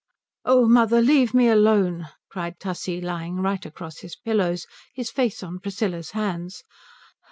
"Oh mother, leave me alone," cried Tussie, lying right across his pillows, his face on Priscilla's hands.